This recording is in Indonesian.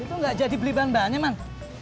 itu nggak jadi beli bahan bahannya man